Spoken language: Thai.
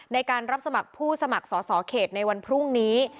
ในการรับสมัครผู้สมัครสอสอเขตในวันพรุ่งนี้